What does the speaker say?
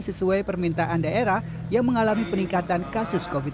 sesuai permintaan daerah yang mengalami peningkatan kasus covid sembilan belas